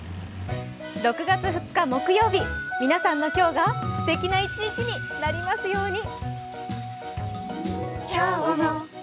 ６月２日木曜日、皆さんの今日が素敵な一日になりますように。